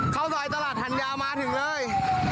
เข้าซอยตลาดหันยาวมาถึงเลย